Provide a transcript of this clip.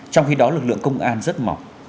trong khi đó lực lượng công an rất mỏng